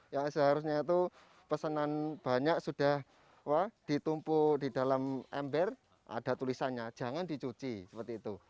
ya seharusnya itu pesanan banyak sudah ditumpu di dalam ember ada tulisannya jangan dicuci seperti itu